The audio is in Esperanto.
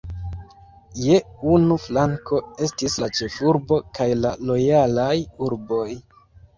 Je unu flanko estis la ĉefurbo kaj la lojalaj urboj.